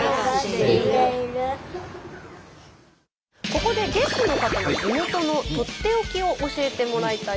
ここでゲストの方の地元のとっておきを教えてもらいたいと思います。